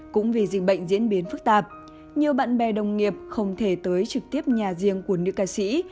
cũng vì dịch bệnh diễn biến phức tạp nhiều bạn bè đồng nghiệp không thể tới trực tiếp nhà riêng của nữ ca sĩ